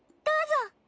どうぞ。